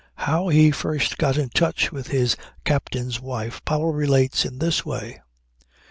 How he first got in touch with his captain's wife Powell relates in this way.